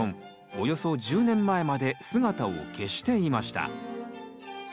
およそ１０年前まで姿を消していました。